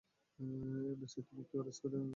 এমজে, তুমি কি ওর স্পাইডার-ছানার জন্ম দেবে?